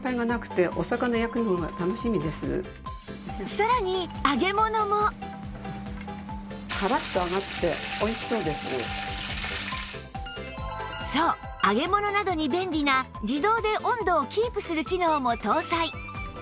さらにそう揚げ物などに便利な自動で温度をキープする機能も搭載